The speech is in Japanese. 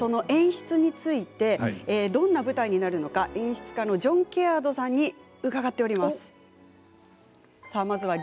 演出についてどんな舞台になるのか演出のジョン・ケアードさんに伺いました。